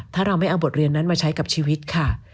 ถ้าเราไม่เอาบทเรียนนั้นมาใช้กับชีวิตค่ะ